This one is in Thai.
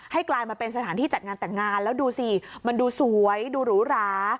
กลายมาเป็นสถานที่จัดงานแต่งงานแล้วดูสิมันดูสวยดูหรูหรา